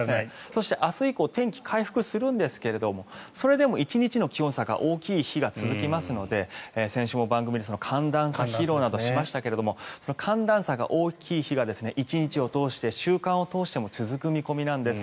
そして、明日以降天気は回復するんですがそれでも１日の気温差が大きい日が続きますので先週も番組で寒暖差疲労など紹介しましたが寒暖差が大きい日が１日を通して週間を通しても続く見込みなんです。